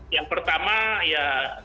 yang pertama ya